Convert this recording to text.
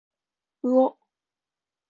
うおっ。